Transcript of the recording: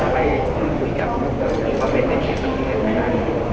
มีความเป็นในชีวิตสำเร็จไม่ได้